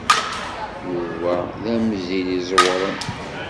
Yuba d amzil iẓewren.